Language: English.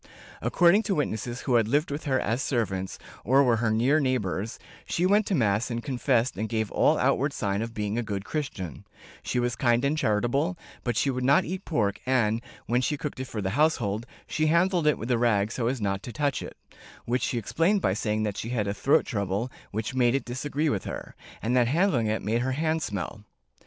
According to witnesses who had lived with her as servants, or were her near neighbors, she went to mass and confession and gave all outward sign of being a good Christian; she was kind and charitable, but she would not eat pork and, when she cooked it for the household, she handled it with a rag so as not to touch it, which she explained by saying that she had a throat trouble which made it disagree with her, and that handling it made her hands smell.